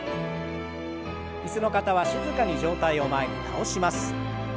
椅子の方は静かに上体を前に倒します。